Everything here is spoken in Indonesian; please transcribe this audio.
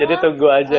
jadi tunggu aja ya